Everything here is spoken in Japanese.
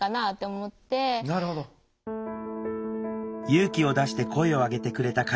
勇気を出して声を上げてくれた彼女たち。